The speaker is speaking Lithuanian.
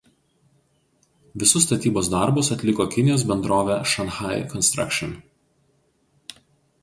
Visus statybos darbus atliko Kinijos bendrovė „Shanghai Construction“.